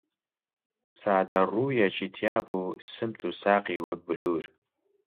سادە ڕووویەکی تیا بوو، سمت و ساقی وەک بلوور